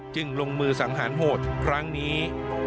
จึงลงมือสังหารโหดครั้งนี้